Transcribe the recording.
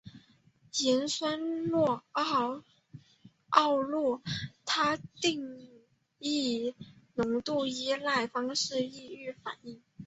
盐酸奥洛他定以浓度依赖方式抑制反应。